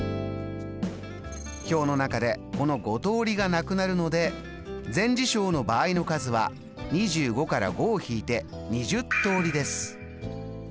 表の中でこの５通りがなくなるので全事象の場合の数は２５から５を引いて２０通りです。